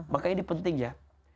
makanya ini penting ya